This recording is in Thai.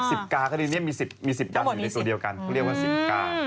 สิบการ์ค่ะทีนี้มีสิบมีสิบด้านหนึ่งในตัวเดียวกันเขาเรียกว่าสิบการ์